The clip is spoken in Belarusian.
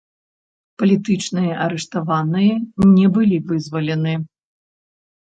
Палітычныя арыштаваныя не былі вызвалены.